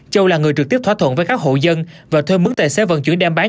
châu là người trực tiếp thỏa thuận với các hộ dân và thuê mứng tài xế vận chuyển đem bán